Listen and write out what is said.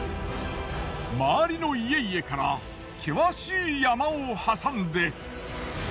周りの家々から険しい山を挟んで。